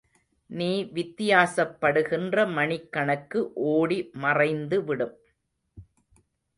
நீ வித்தியாசப்படுகின்ற மணிக்கணக்கு ஓடி மறைந்துவிடும்